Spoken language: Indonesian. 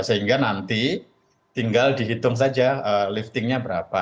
sehingga nanti tinggal dihitung saja liftingnya berapa